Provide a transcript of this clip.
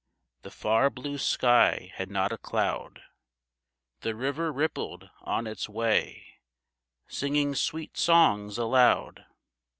The far blue sky had not a cloud ; The river rippled on its way, Singing sweet songs aloud.